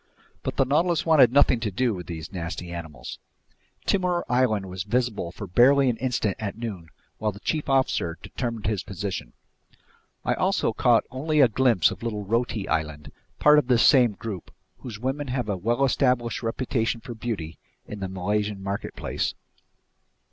But the Nautilus wanted nothing to do with these nasty animals. Timor Island was visible for barely an instant at noon while the chief officer determined his position. I also caught only a glimpse of little Roti Island, part of this same group, whose women have a well established reputation for beauty in the Malaysian marketplace.